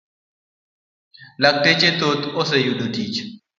lakteche thoth oseyudo tich.